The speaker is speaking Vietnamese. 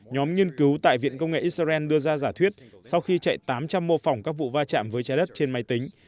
nhóm nghiên cứu tại viện công nghệ israel đưa ra giả thuyết sau khi chạy tám trăm linh mô phỏng các vụ va chạm với trái đất trên máy tính